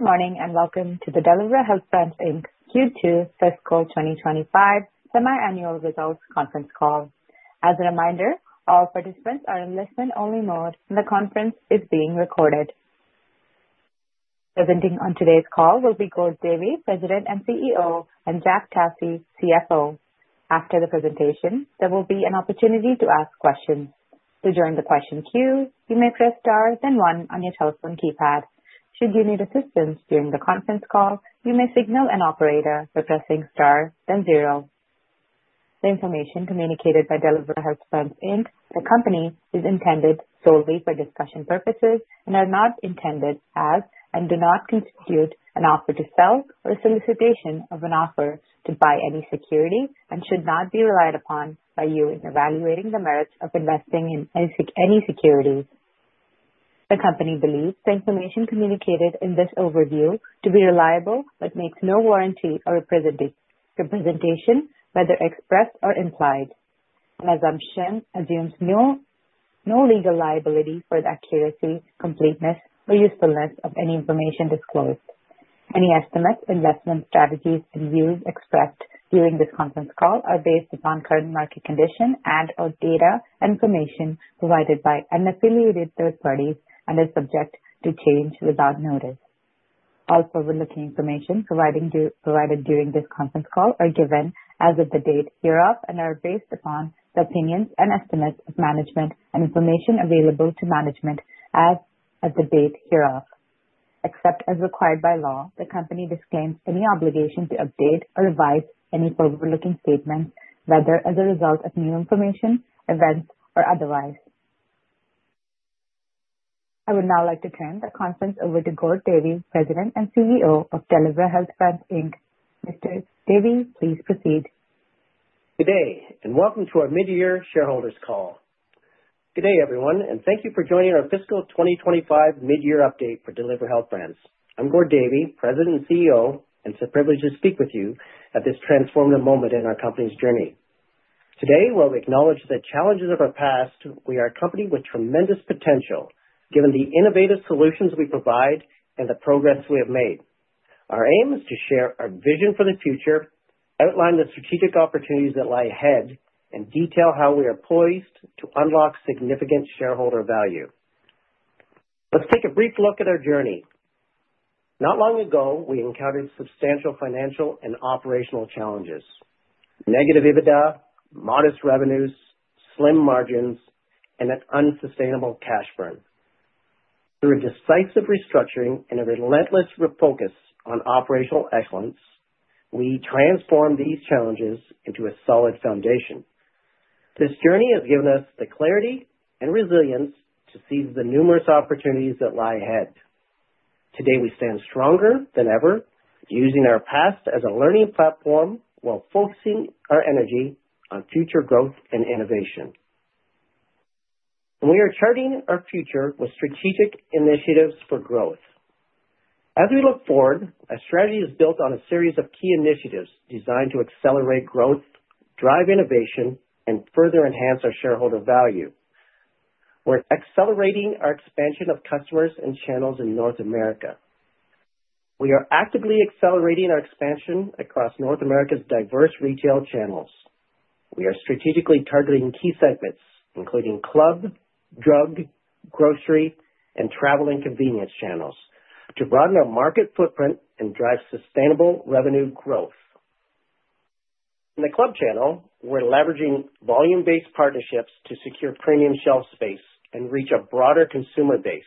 Good morning and welcome to the Delivra Health Brands Q2 Fiscal 2025 semiannual results Conference Call. As a reminder, all participants are in listen-only mode, and the conference is being recorded. Presenting on today's call will be Gord Davey, President and CEO, and Jack Tasse, CFO. After the presentation, there will be an opportunity to ask questions. To join the question queue, you may press star then one on your telephone keypad. Should you need assistance during the Conference Call, you may signal an operator by pressing star then zero. The information communicated by Delivra Health Brands, the company, is intended solely for discussion purposes and are not intended as and do not constitute an offer to sell or a solicitation of an offer to buy any security and should not be relied upon by you in evaluating the merits of investing in any security. The company believes the information communicated in this overview to be reliable but makes no warranty or representation, whether expressed or implied. An assumption assumes no legal liability for the accuracy, completeness, or usefulness of any information disclosed. Any estimates, investment strategies, and views expressed during this Conference Call are based upon current market conditions and/or data and information provided by unaffiliated third parties and are subject to change without notice. All forward-looking information provided during this Conference Call are given as of the date hereof and are based upon the opinions and estimates of management and information available to management as of the date hereof. Except as required by law, the company disclaims any obligation to update or revise any forward-looking statements, whether as a result of new information, events, or otherwise. I would now like to turn the conference over to Gord Davey, President and CEO of Delivra Health Brands. Mr. Davey, please proceed. Good day, and welcome to our mid-year shareholders' call. Good day, everyone, and thank you for joining our Fiscal 2025 mid-year update for Delivra Health Brands. I'm Gord Davey, President and CEO, and it's a privilege to speak with you at this transformative moment in our company's journey. Today, while we acknowledge the challenges of our past, we are accompanied with tremendous potential given the innovative solutions we provide and the progress we have made. Our aim is to share our vision for the future, outline the strategic opportunities that lie ahead, and detail how we are poised to unlock significant shareholder value. Let's take a brief look at our journey. Not long ago, we encountered substantial financial and operational challenges: negative EBITDA, modest revenues, slim margins, and an unsustainable cash burn. Through a decisive restructuring and a relentless focus on operational excellence, we transformed these challenges into a solid foundation. This journey has given us the clarity and resilience to seize the numerous opportunities that lie ahead. Today, we stand stronger than ever, using our past as a learning platform while focusing our energy on future growth and innovation. We are charting our future with strategic initiatives for growth. As we look forward, our strategy is built on a series of key initiatives designed to accelerate growth, drive innovation, and further enhance our shareholder value. We're accelerating our expansion of customers and channels in North America. We are actively accelerating our expansion across North America's diverse retail channels. We are strategically targeting key segments, including club, drug, grocery, and travel and convenience channels, to broaden our market footprint and drive sustainable revenue growth. In the club channel, we're leveraging volume-based partnerships to secure premium shelf space and reach a broader consumer base.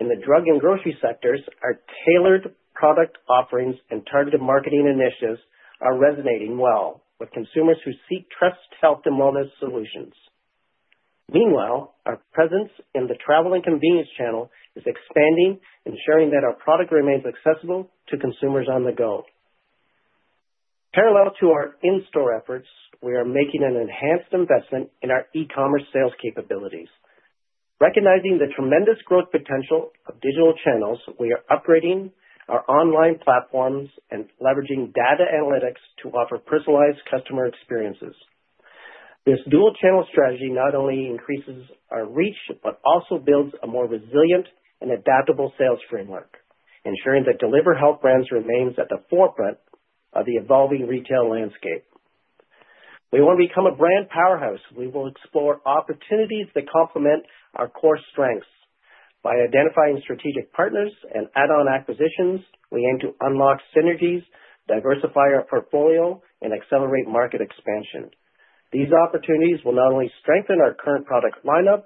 In the drug and grocery sectors, our tailored product offerings and targeted marketing initiatives are resonating well with consumers who seek trust, health, and wellness solutions. Meanwhile, our presence in the travel and convenience channel is expanding, ensuring that our product remains accessible to consumers on the go. Parallel to our in-store efforts, we are making an enhanced investment in our e-commerce sales capabilities. Recognizing the tremendous growth potential of digital channels, we are upgrading our online platforms and leveraging data analytics to offer personalized customer experiences. This dual-channel strategy not only increases our reach but also builds a more resilient and adaptable sales framework, ensuring that Delivra Health Brands remains at the forefront of the evolving retail landscape. We want to become a brand powerhouse. We will explore opportunities that complement our core strengths. By identifying strategic partners and add-on acquisitions, we aim to unlock synergies, diversify our portfolio, and accelerate market expansion. These opportunities will not only strengthen our current product lineup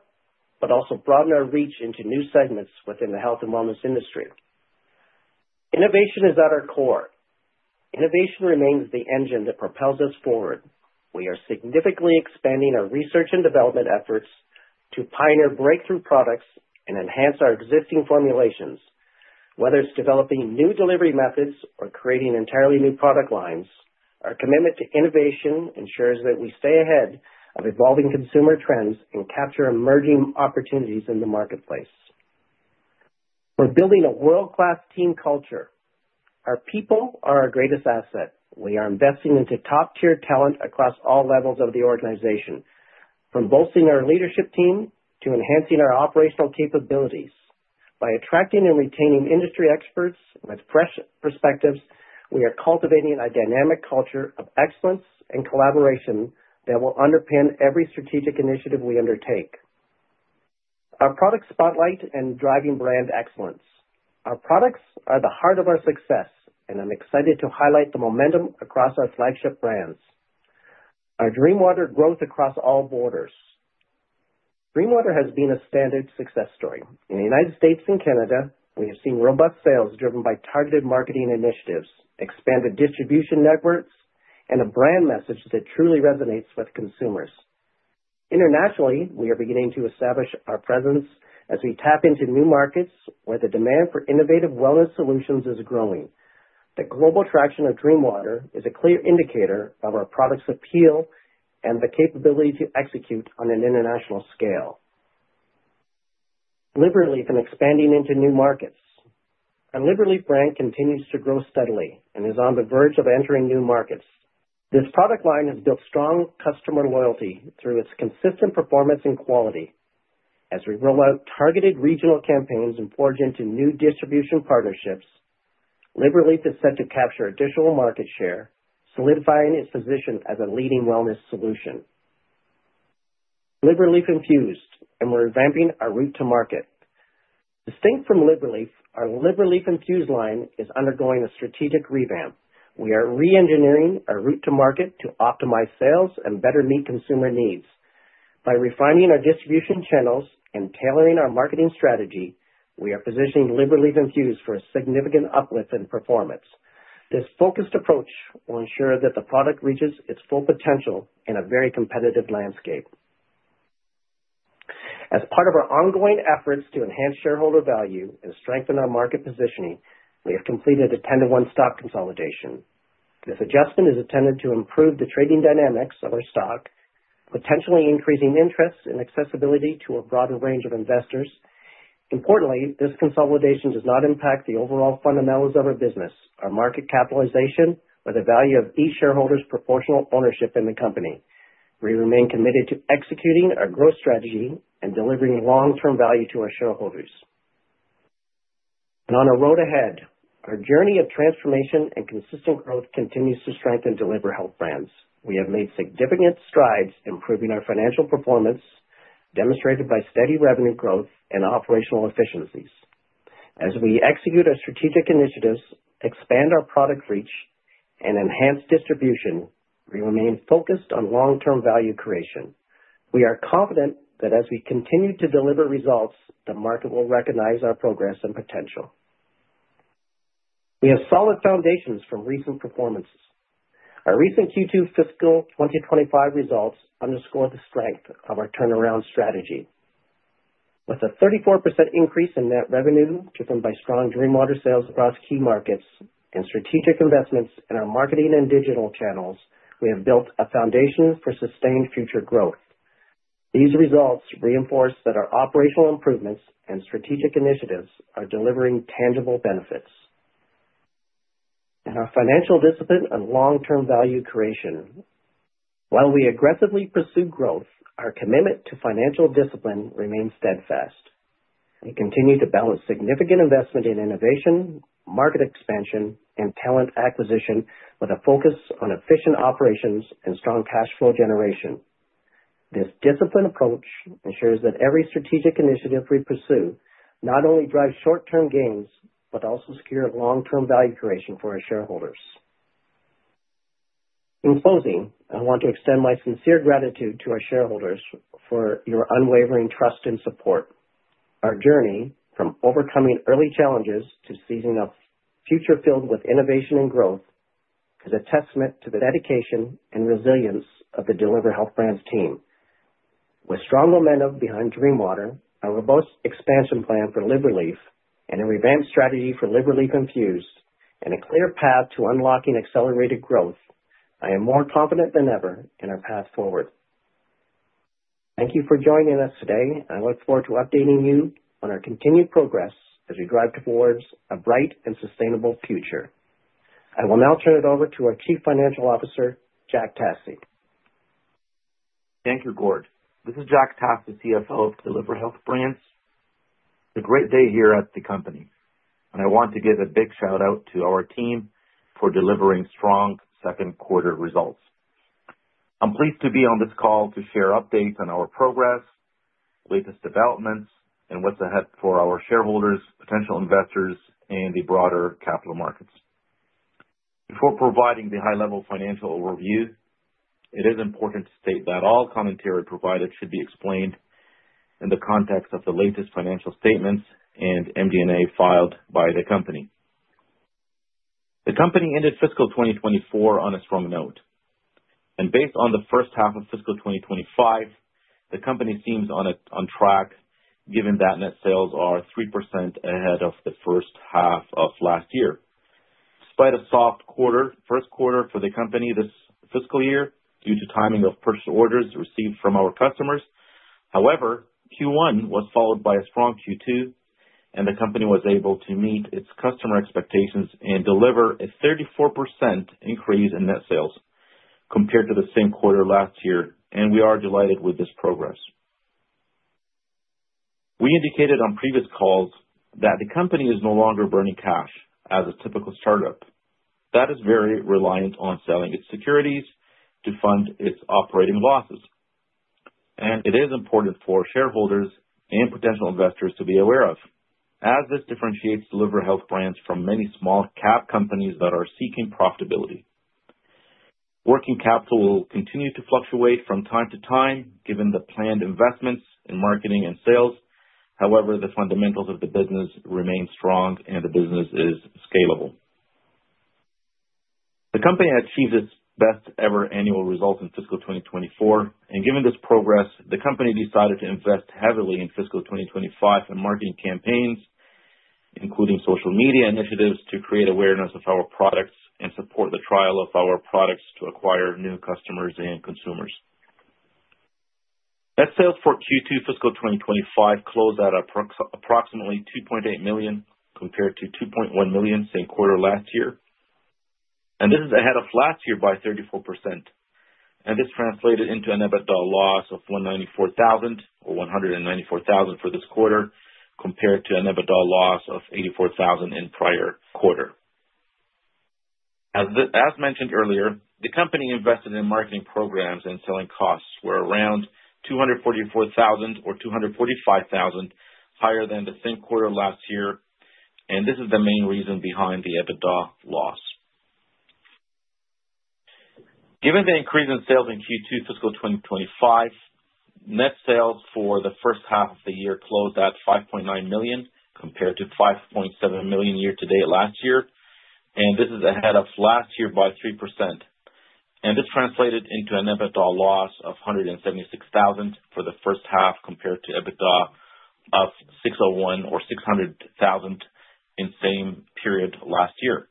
but also broaden our reach into new segments within the health and wellness industry. Innovation is at our core. Innovation remains the engine that propels us forward. We are significantly expanding our research and development efforts to pioneer breakthrough products and enhance our existing formulations. Whether it's developing new delivery methods or creating entirely new product lines, our commitment to innovation ensures that we stay ahead of evolving consumer trends and capture emerging opportunities in the marketplace. We're building a world-class team culture. Our people are our greatest asset. We are investing into top-tier talent across all levels of the organization, from bolstering our leadership team to enhancing our operational capabilities. By attracting and retaining industry experts with fresh perspectives, we are cultivating a dynamic culture of excellence and collaboration that will underpin every strategic initiative we undertake. Our products spotlight and drive brand excellence. Our products are the heart of our success, and I'm excited to highlight the momentum across our flagship brands. Our Dream Water grows across all borders. Dream Water has been a standard success story. In the United States and Canada, we have seen robust sales driven by targeted marketing initiatives, expanded distribution networks, and a brand message that truly resonates with consumers. Internationally, we are beginning to establish our presence as we tap into new markets where the demand for innovative wellness solutions is growing. The global traction of Dream Water is a clear indicator of our product's appeal and the capability to execute on an international scale. LivRelief and expanding into new markets. Our LivRelief brand continues to grow steadily and is on the verge of entering new markets. This product line has built strong customer loyalty through its consistent performance and quality. As we roll out targeted regional campaigns and forge into new distribution partnerships, LivRelief is set to capture additional market share, solidifying its position as a leading wellness solution. LivRelief Infused, and we're revamping our route to market. Distinct from LivRelief, our LivRelief Infused line is undergoing a strategic revamp. We are re-engineering our route to market to optimize sales and better meet consumer needs. By refining our distribution channels and tailoring our marketing strategy, we are positioning LivRelief Infused for a significant uplift in performance. This focused approach will ensure that the product reaches its full potential in a very competitive landscape. As part of our ongoing efforts to enhance shareholder value and strengthen our market positioning, we have completed a 10-to-1 stock consolidation. This adjustment is intended to improve the trading dynamics of our stock, potentially increasing interest and accessibility to a broader range of investors. Importantly, this consolidation does not impact the overall fundamentals of our business, our market capitalization, or the value of each shareholder's proportional ownership in the company. We remain committed to executing our growth strategy and delivering long-term value to our shareholders. Our journey of transformation and consistent growth continues to strengthen Delivra Health Brands. We have made significant strides improving our financial performance, demonstrated by steady revenue growth and operational efficiencies. As we execute our strategic initiatives, expand our product reach, and enhance distribution, we remain focused on long-term value creation. We are confident that as we continue to deliver results, the market will recognize our progress and potential. We have solid foundations from recent performances. Our recent Q2 Fiscal 2025 results underscore the strength of our turnaround strategy. With a 34% increase in net revenue driven by strong Dream Water sales across key markets and strategic investments in our marketing and digital channels, we have built a foundation for sustained future growth. These results reinforce that our operational improvements and strategic initiatives are delivering tangible benefits. Our financial discipline and long-term value creation. While we aggressively pursue growth, our commitment to financial discipline remains steadfast. We continue to balance significant investment in innovation, market expansion, and talent acquisition with a focus on efficient operations and strong cash flow generation. This disciplined approach ensures that every strategic initiative we pursue not only drives short-term gains but also secures long-term value creation for our shareholders. In closing, I want to extend my sincere gratitude to our shareholders for your unwavering trust and support. Our journey from overcoming early challenges to seizing a future filled with innovation and growth is a testament to the dedication and resilience of the Delivra Health Brands team. With strong momentum behind Dream Water, a robust expansion plan for LivRelief, and a revamped strategy for LivRelief Infused, and a clear path to unlocking accelerated growth, I am more confident than ever in our path forward. Thank you for joining us today, and I look forward to updating you on our continued progress as we drive towards a bright and sustainable future. I will now turn it over to our Chief Financial Officer, Jack Tasse. Thank you, Gord. This is Jack Tasse, CFO of Delivra Health Brands. It's a great day here at the company, and I want to give a big shout-out to our team for delivering strong second-quarter results. I'm pleased to be on this call to share updates on our progress, latest developments, and what's ahead for our shareholders, potential investors, and the broader capital markets. Before providing the high-level financial overview, it is important to state that all commentary provided should be explained in the context of the latest financial statements and MD&A filed by the company. The company ended Fiscal 2024 on a strong note. Based on the first half of Fiscal 2025, the company seems on track, given that net sales are 3% ahead of the first half of last year. Despite a soft Q1 for the company this fiscal year due to timing of purchase orders received from our customers, Q1 was followed by a strong Q2, and the company was able to meet its customer expectations and deliver a 34% increase in net sales compared to the same quarter last year. We are delighted with this progress. We indicated on previous calls that the company is no longer burning cash as a typical startup that is very reliant on selling its securities to fund its operating losses. It is important for shareholders and potential investors to be aware of this, as it differentiates Delivra Health Brands from many small-cap companies that are seeking profitability. Working capital will continue to fluctuate from time to time given the planned investments in marketing and sales. However, the fundamentals of the business remain strong, and the business is scalable. The company achieved its best-ever annual result in Fiscal 2024. Given this progress, the company decided to invest heavily in Fiscal 2025 in marketing campaigns, including social media initiatives to create awareness of our products and support the trial of our products to acquire new customers and consumers. Net sales for Q2 Fiscal 2025 closed at approximately 2.8 million compared to 2.1 million same quarter last year. This is ahead of last year by 34%. This translated into a net dollar loss of 194,000 for this quarter compared to a net dollar loss of 84,000 in the prior quarter. As mentioned earlier, the company invested in marketing programs and selling costs were around 244,000 or 245,000 higher than the same quarter last year. This is the main reason behind the net dollar loss. Given the increase in sales in Q2 Fiscal 2025, net sales for the first half of the year closed at 5.9 million compared to 5.7 million year-to-date last year. This is ahead of last year by 3%. This translated into a net dollar loss of 176,000 for the first half compared to a net dollar loss of 601,000 or 600,000 in the same period last year.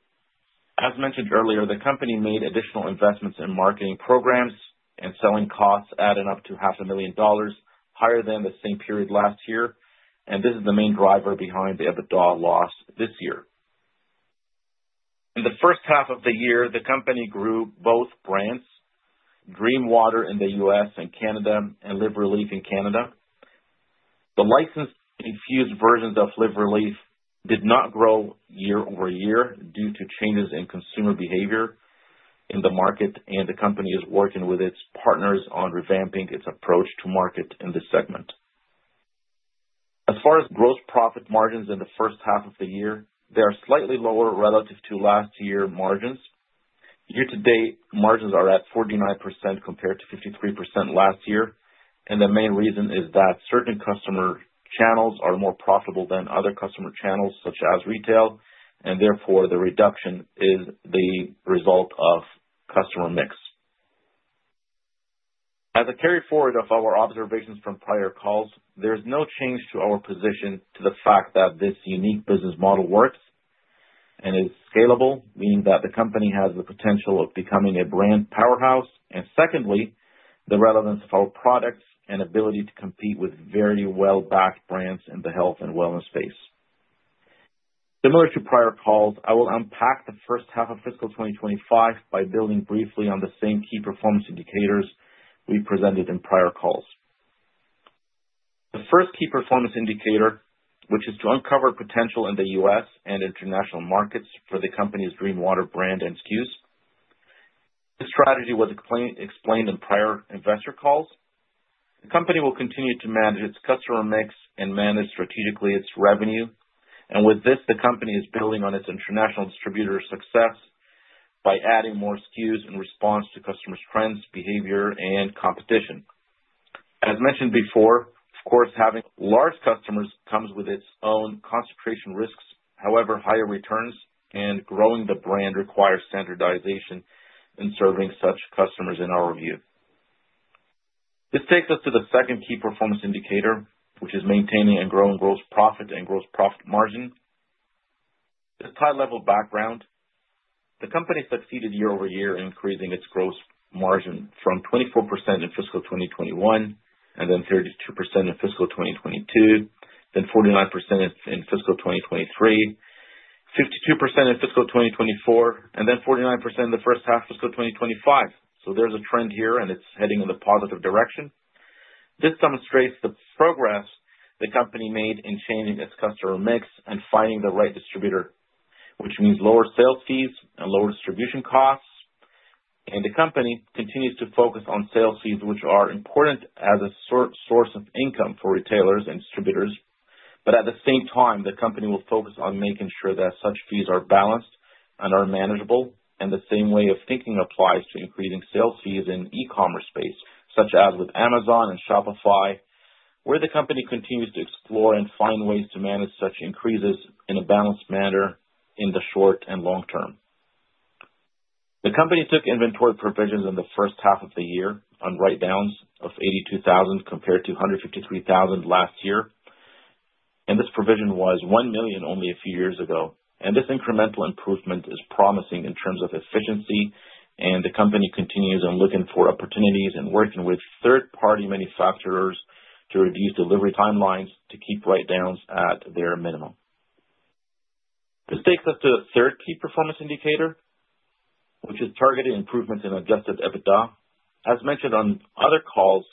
As mentioned earlier, the company made additional investments in marketing programs and selling costs adding up to 500,000 dollars higher than the same period last year. This is the main driver behind the net dollar loss this year. In the first half of the year, the company grew both brands, Dream Water in the U.S. and Canada, and Delivra Leaf in Canada. The license-infused versions of LivRelief did not grow year over year due to changes in consumer behavior in the market, and the company is working with its partners on revamping its approach to market in this segment. As far as gross profit margins in the first half of the year, they are slightly lower relative to last year's margins. Year-to-date margins are at 49% compared to 53% last year. The main reason is that certain customer channels are more profitable than other customer channels, such as retail. Therefore, the reduction is the result of customer mix. As I carry forward our observations from prior calls, there is no change to our position to the fact that this unique business model works and is scalable, meaning that the company has the potential of becoming a brand powerhouse. Secondly, the relevance of our products and ability to compete with very well-backed brands in the health and wellness space. Similar to prior calls, I will unpack the first half of Fiscal 2025 by building briefly on the same key performance indicators we presented in prior calls. The first key performance indicator, which is to uncover potential in the US and international markets for the company's Dream Water brand and SKUs. This strategy was explained in prior investor calls. The company will continue to manage its customer mix and manage strategically its revenue. With this, the company is building on its international distributor success by adding more SKUs in response to customers' trends, behavior, and competition. As mentioned before, of course, having large customers comes with its own concentration risks. However, higher returns and growing the brand require standardization in serving such customers in our view. This takes us to the second key performance indicator, which is maintaining and growing gross profit and gross profit margin. With this high-level background, the company succeeded year over year in increasing its gross margin from 24% in Fiscal 2021, 32% in Fiscal 2022, 49% in Fiscal 2023, 52% in Fiscal 2024, and 49% in the first half of Fiscal 2025. There is a trend here, and it is heading in the positive direction. This demonstrates the progress the company made in changing its customer mix and finding the right distributor, which means lower sales fees and lower distribution costs. The company continues to focus on sales fees, which are important as a source of income for retailers and distributors. At the same time, the company will focus on making sure that such fees are balanced and are manageable. The same way of thinking applies to increasing sales fees in the e-commerce space, such as with Amazon and Shopify, where the company continues to explore and find ways to manage such increases in a balanced manner in the short and long term. The company took inventory provisions in the first half of the year on write-downs of 82,000 compared to 153,000 last year. This provision was 1 million only a few years ago. This incremental improvement is promising in terms of efficiency. The company continues looking for opportunities and working with third-party manufacturers to reduce delivery timelines to keep write-downs at their minimum. This takes us to the third key performance indicator, which is targeted improvements in adjusted EBITDA. As mentioned on other calls,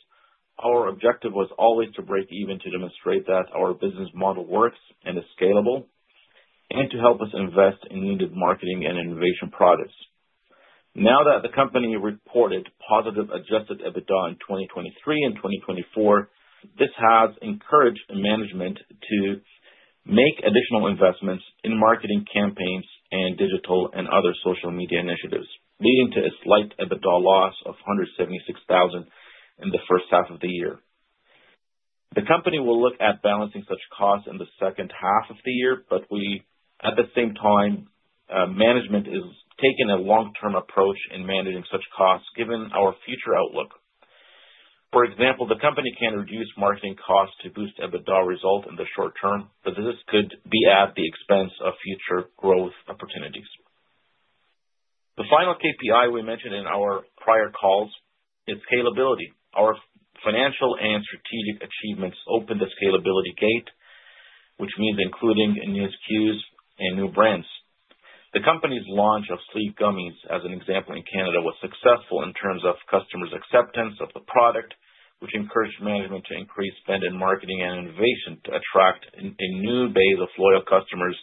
our objective was always to break even to demonstrate that our business model works and is scalable and to help us invest in needed marketing and innovation products. Now that the company reported positive adjusted EBITDA in 2023 and 2024, this has encouraged management to make additional investments in marketing campaigns and digital and other social media initiatives, leading to a slight EBITDA loss of 176,000 in the first half of the year. The company will look at balancing such costs in the second half of the year, but at the same time, management is taking a long-term approach in managing such costs given our future outlook. For example, the company can reduce marketing costs to boost EBITDA results in the short term, but this could be at the expense of future growth opportunities. The final KPI we mentioned in our prior calls is scalability. Our financial and strategic achievements opened the scalability gate, which means including new SKUs and new brands. The company's launch of Sleep Gummies, as an example in Canada, was successful in terms of customers' acceptance of the product, which encouraged management to increase spend in marketing and innovation to attract a new base of loyal customers.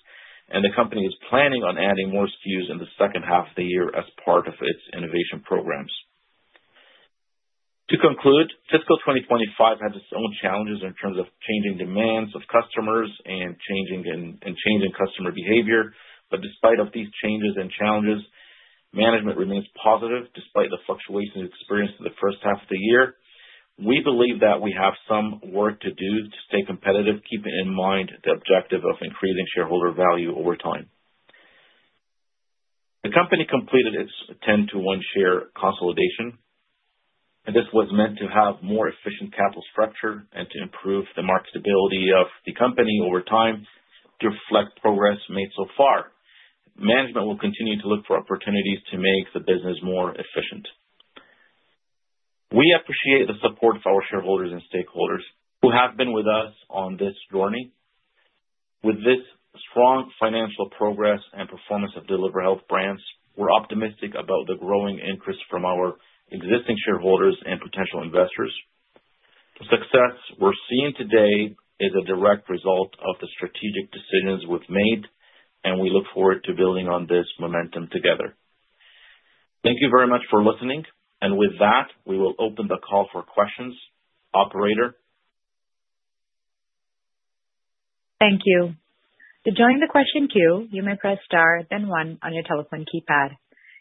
The company is planning on adding more SKUs in the second half of the year as part of its innovation programs. To conclude, Fiscal 2025 has its own challenges in terms of changing demands of customers and changing customer behavior. Despite these changes and challenges, management remains positive despite the fluctuations experienced in the first half of the year. We believe that we have some work to do to stay competitive, keeping in mind the objective of increasing shareholder value over time. The company completed its 10-to-1 share consolidation. This was meant to have a more efficient capital structure and to improve the marketability of the company over time to reflect progress made so far. Management will continue to look for opportunities to make the business more efficient. We appreciate the support of our shareholders and stakeholders who have been with us on this journey. With this strong financial progress and performance of Delivra Health Brands, we are optimistic about the growing interest from our existing shareholders and potential investors. The success we are seeing today is a direct result of the strategic decisions we have made, and we look forward to building on this momentum together. Thank you very much for listening. With that, we will open the call for questions. Operator. Thank you. To join the question queue, you may press star, then one on your telephone keypad.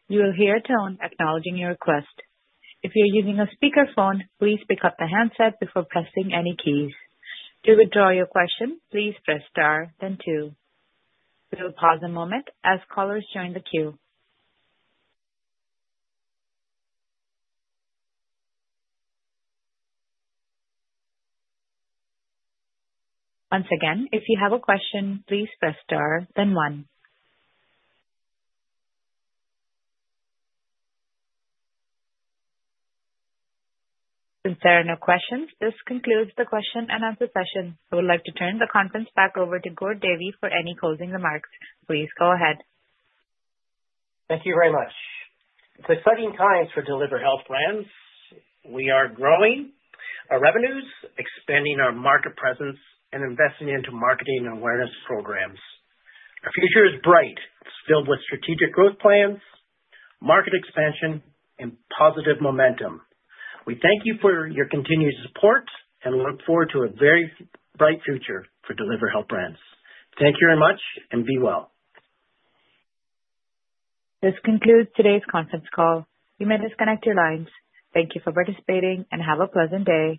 You will hear a tone acknowledging your request. If you're using a speakerphone, please pick up the handset before pressing any keys. To withdraw your question, please press star, then two. We will pause a moment as callers join the queue. Once again, if you have a question, please press star, then one. Since there are no questions, this concludes the question and answer session. I would like to turn the conference back over to Gord Davey for any closing remarks. Please go ahead. Thank you very much. It's exciting times for Delivra Health Brands. We are growing our revenues, expanding our market presence, and investing into marketing and awareness programs. Our future is bright. It's filled with strategic growth plans, market expansion, and positive momentum. We thank you for your continued support and look forward to a very bright future for Delivra Health Brands. Thank you very much and be well. This concludes today's Conference Call. You may disconnect your lines. Thank you for participating and have a pleasant day.